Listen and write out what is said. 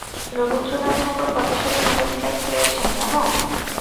রবীন্দ্রনাথ ঠাকুর কত সালে Nobel prize পেয়েছেন জান?